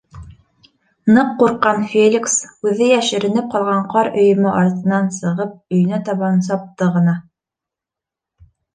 Ныҡ ҡурҡҡан Феликс үҙе йәшеренеп ҡалған ҡар өйөмө артынан сығып өйөнә табан сапты ғына.